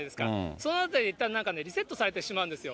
そのあたりでいったんなんかリセットされてしまうんですよ。